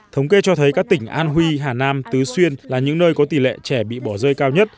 thống kê cho thấy các tỉnh an huy hà nam tứ xuyên là những nơi có tỷ lệ trẻ bị bỏ rơi cao nhất